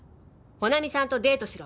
「帆奈美さんとデートしろ！